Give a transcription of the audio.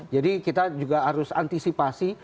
jadi kita juga harus antisipasi